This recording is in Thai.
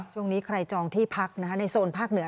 ช่วงนี้ใครจองที่พักในโซนภาคเหนือ